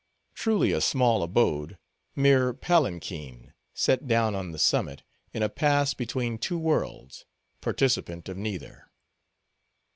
Truly, a small abode—mere palanquin, set down on the summit, in a pass between two worlds, participant of neither.